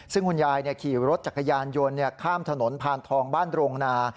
ซึ่งคุณยายขี่รถจักรยานยนต์ข้ามถนนพานทองบ้านโรงนา